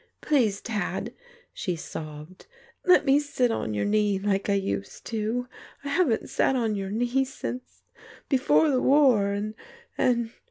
" Please, Dad," she sobbed, " let me sit on your knee like I used to. I haven't sat on your knee — since — before the war, and — and